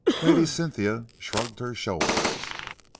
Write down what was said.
Lady Cynthia shrugged her shoulders.